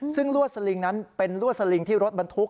ซึ่งลวดสลิงนั้นเป็นลวดสลิงที่รถบรรทุก